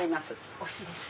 おいしいです。